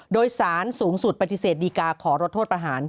โดยสารสูงสุดปฏิเสธดีการ์ขอลดโทษประหาร